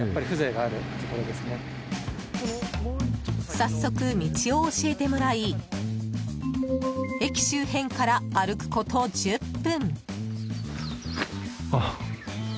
早速、道を教えてもらい駅周辺から歩くこと１０分。